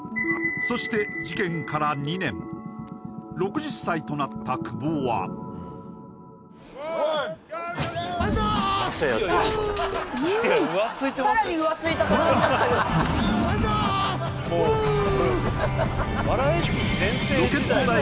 そして事件から２年６０歳となった久保はバンザイ！